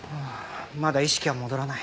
まだ意識は戻らない。